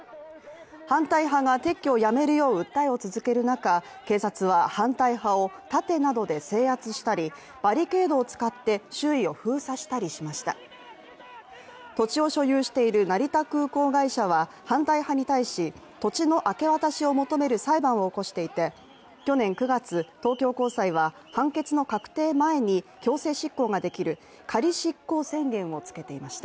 反対派が撤去をやめるよう訴えを続ける中、警察は、反対派を盾などで制圧したりバリケードを使って周囲を封鎖したりしました土地を所有している成田空港会社は反対派に対し、土地の明け渡しを求める裁判を起こしていて去年９月、東京高裁は判決の確定前に強制執行ができる仮執行宣言をつけていました。